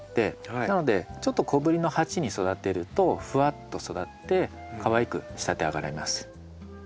なのでちょっと小ぶりの鉢に育てるとふわっと育ってかわいく仕立て上げられます。